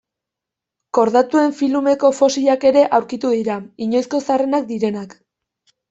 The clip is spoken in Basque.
Kordatuen filumeko fosilak ere aurkitu dira, inoizko zaharrenak direnak.